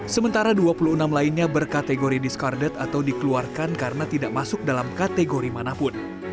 sementara dua puluh enam lainnya berkategori diskarded atau dikeluarkan karena tidak masuk dalam kategori manapun